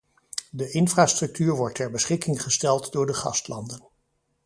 De infrastructuur wordt ter beschikking gesteld door de gastlanden.